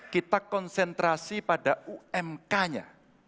kita konsentrasi pada umk nya